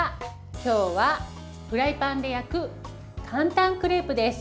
今日はフライパンで焼く簡単クレープです。